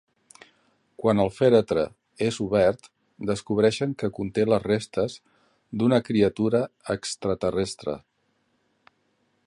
Quan el fèretre és obert, descobreixen que conté les restes d'una criatura extraterrestre.